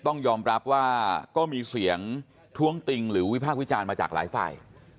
ต้องยอมรับว่าก็มีเสียงท้วงติงหรือวิพากษ์วิจารณ์มาจากหลายฝ่าย